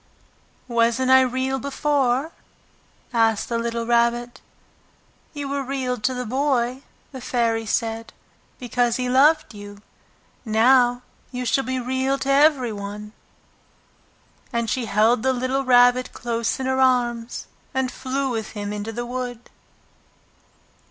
"Wasn't I Real before?" asked the little Rabbit. "You were Real to the Boy," the Fairy said, "because he loved you. Now you shall be Real to every one." The Fairy Flower And she held the little Rabbit close in her arms and flew with him into the wood.